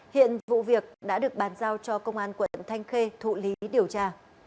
hiện vụ việc đã được bàn giao cho công an quận thanh khê thụ lý điều tra